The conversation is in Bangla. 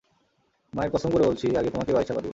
মায়ের কসম করে বলছি আগে তোমাকেই বালিশচাপা দিব।